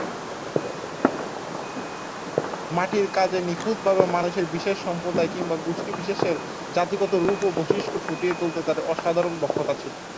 মাটির কাজে নিখুঁতভাবে মানুষের বিশেষ সম্প্রদায় কিংবা গোষ্ঠী-বিশেষের জাতিগত রূপ ও বৈশিষ্ট্য ফুটিয়ে তুলতে তার অসাধারণ দক্ষতা ছিল।